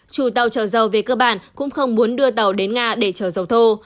chủ tàu trở dầu về cơ bản cũng không muốn đưa tàu đến nga để chở dầu thô